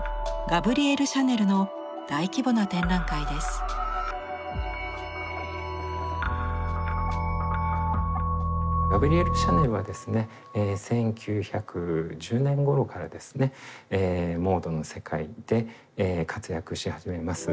ガブリエル・シャネルはですね１９１０年ごろからですねモードの世界で活躍し始めます。